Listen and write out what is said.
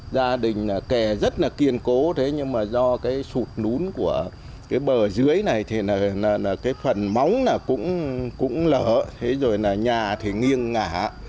gia đình kẻ rất kiên cố nhưng do sụt nún của bờ dưới này phần móng cũng lở nhà thì nghiêng ngã